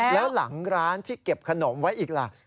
แล้วหลังร้านที่เก็บขนมไว้อีกล่ะ